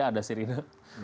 ada si rina